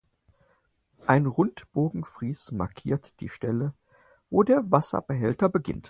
Ein Rundbogenfries markiert die Stelle, wo der Wasserbehälter beginnt.